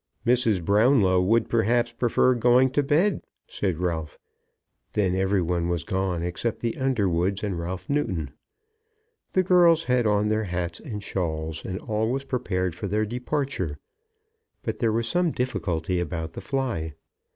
"Mrs. Brownlow would, perhaps, prefer going to bed," said Ralph. Then every one was gone except the Underwoods and Ralph Newton. The girls had on their hats and shawls, and all was prepared for their departure; but there was some difficulty about the fly.